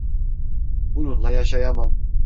Bununla yaşayamam.